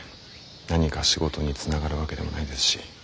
何か仕事につながるわけでもないですし。